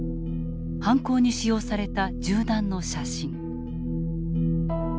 犯行に使用された銃弾の写真。